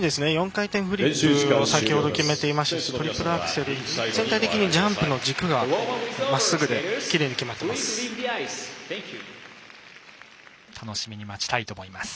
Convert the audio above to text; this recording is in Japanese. ４回転フリップを先程決めましてトリプルアクセル、全体的にジャンプの軸がまっすぐできれいに決まっています。